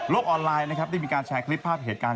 ออนไลน์นะครับได้มีการแชร์คลิปภาพเหตุการณ์